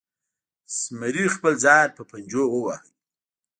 زمري خپل ځان په پنجو وواهه.